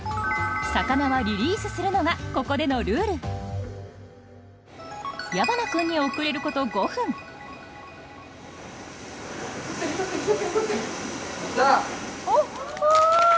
魚はリリースするのがここでのルール矢花君に遅れること５分来た！